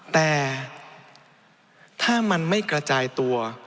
แต่ถ้ามันไม่กระจายตัว